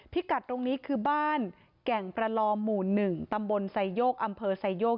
กัดตรงนี้คือบ้านแก่งประลอมหมู่๑ตำบลไซโยกอำเภอไซโยก